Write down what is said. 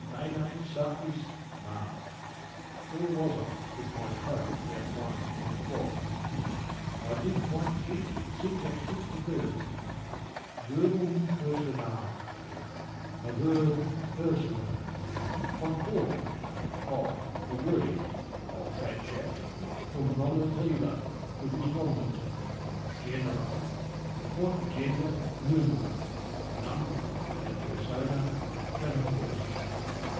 Bene, satis, male—, Where was I with my trope 'bout one in a quag? I did once hitch the syntax into verse: Verbum personale, a verb personal, Concordat—ay, "agrees," old Fatchaps—cum Nominativo, with its nominative, Genere, i' point o' gender, numero, O' number, et persona, and person.